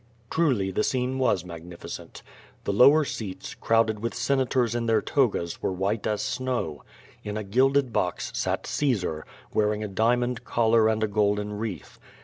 '' Truly the scene was magnificent. The lower seats, crowded QVO VADI8. 407 with Senators in their togas were white as snow. In a gilded box sat Caesar, wearing a diamond collar and a golden wreath.